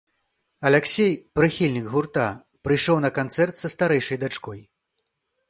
Аляксей, прыхільнік гурта, прыйшоў на канцэрт са старэйшай дачкой.